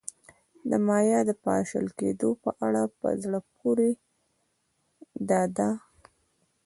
د مایا د پاشل کېدو په اړه په زړه پورې دا ده